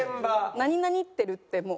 「何々ってる」ってもう。